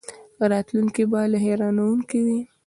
راتلونکی به لا حیرانوونکی وي.